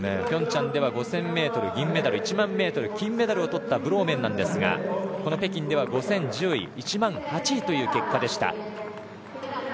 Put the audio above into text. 平昌では５０００ｍ銀メダル１００００ｍ金メダルをとったブローメンですが北京では５０００が１０位１００００は８位という結果でした。